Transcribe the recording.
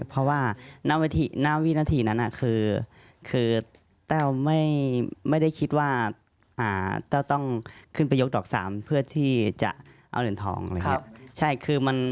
เพราะว่าหน้าวินาทีนั้นคือเต้าไม่ได้คิดว่าต้องขึ้นโดรก๓เพื่อที่จะเอาเหรือทอง